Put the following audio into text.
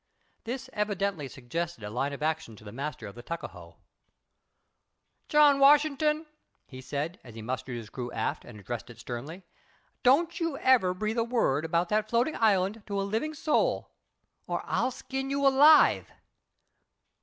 This evidently suggested a line of action to the master of the Tuckahoe. "John Washington," he said, as he mustered his crew aft and addressed it sternly, "don't you ever breathe a word about that floatin' island to a living soul, or I'll skin you alive."